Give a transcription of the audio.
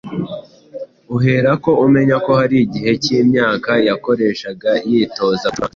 uherako umenya ko hari igihe cy’imyaka yakoreshaga yitoza gucuranga